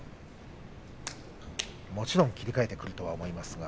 もちろん切り替えてくるとは思いますが。